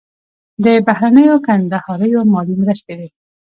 د بهرنیو کندهاریو مالي مرستې وې.